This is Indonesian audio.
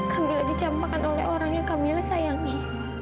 sambil dicampakan oleh orang yang kamilah sayangi